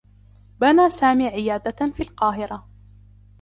بنى سامي عيادة في القاهرة.